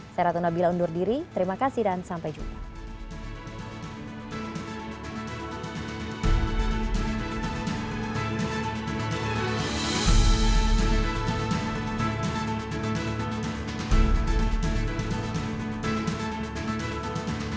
saya ratu nabila undur diri terima kasih dan sampai jumpa